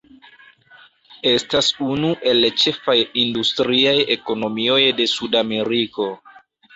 Estas unu el ĉefaj industriaj ekonomioj de Sudameriko.